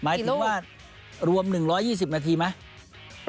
หมายถึงว่ารวม๑๒๐นาทีไหม